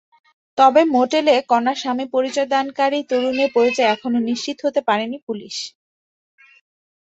তবে মোটেলে কণার স্বামী পরিচয়দানকারী তরুণের পরিচয় এখনো নিশ্চিত হতে পারেনি পুলিশ।